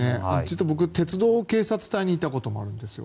僕、鉄道警察隊にいたこともあるんですよ。